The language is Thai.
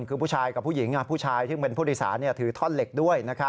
คือผู้ชายกับผู้หญิงผู้ชายซึ่งเป็นผู้โดยสารถือท่อนเหล็กด้วย